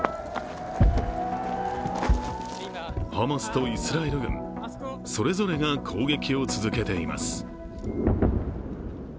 ハマスとイスラエル軍、それぞれが攻撃を続けています。